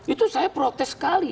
itu saya protes sekali